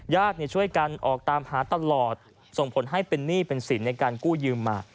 ญาติช่วยกันออกตามหาตลอดส่งผลให้เป็นหนี้เป็นสินในการกู้ยืมมา